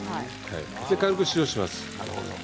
軽く塩をします。